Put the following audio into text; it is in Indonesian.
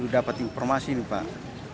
dapat informasi pak